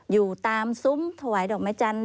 อยู่ตามซุ้มถวายดอกไม้จันทร์